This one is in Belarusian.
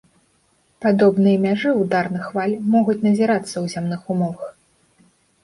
Падобныя мяжы ўдарных хваль могуць назірацца ў зямных умовах.